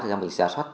thì mình giả soát